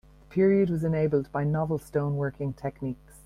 The period was enabled by novel stone working techniques.